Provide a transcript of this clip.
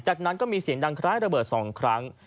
จากนั้นก็มีเสียงดังคล้ายระเบิด๒ครั้ง